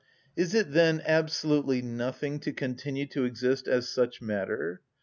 Is it, then, absolutely nothing to continue to exist as such matter?